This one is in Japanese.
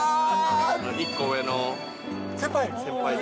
１個上の先輩で。